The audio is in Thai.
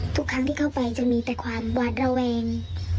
ทุกครั้งที่เข้าไปจะมีแต่ความหวาดระแวง